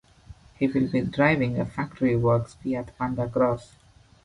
He will be driving a factory works Fiat Panda Cross.